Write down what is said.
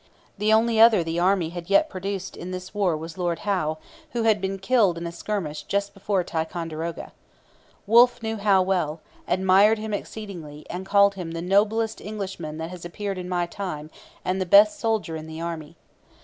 The only other the Army had yet produced in this war was Lord Howe, who had been killed in a skirmish just before Ticonderoga. Wolfe knew Howe well, admired him exceedingly, and called him 'the noblest Englishman that has appeared in my time, and the best soldier in the army.'